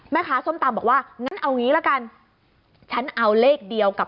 ส้มตำบอกว่างั้นเอางี้ละกันฉันเอาเลขเดียวกับ